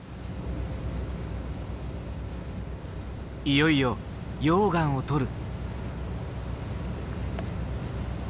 いよいよ溶岩を採る。